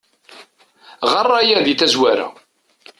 Ɣer aya di tazwara.